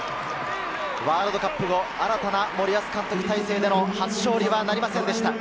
ワールドカップ後、新たな森保監督体制での初勝利はなりませんでした。